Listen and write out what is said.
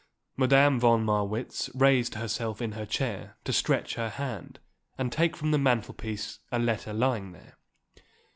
Madame von Marwitz raised herself in her chair to stretch her hand and take from the mantelpiece a letter lying there.